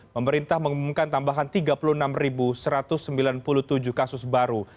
pemerintah mengumumkan tambahan tiga puluh enam satu ratus sembilan puluh tujuh kasus baru